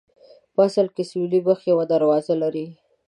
په اصل کې سویلي مخ یوه دروازه لري.